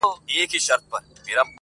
د شاعرۍ ياري كړم~